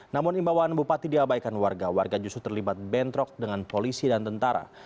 namun imbawan bupati diabaikan warga warga justru terlibat bentrok dengan polisi dan tentara